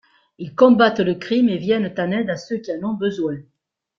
Ils combattent le crime et viennent en aide à ceux qui en ont besoin.